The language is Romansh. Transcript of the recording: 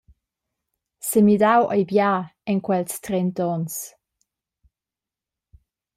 Semidau ei bia en quels trent’onns.